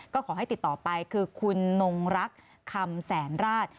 ก็ขอให้ติดต่อไปคือคุณนงรักคำแสนราช